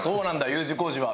Ｕ字工事は。